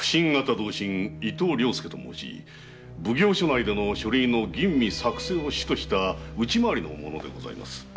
同心・伊東良介と申し奉行所内での書類の吟味・作成を主とした内まわりの者です。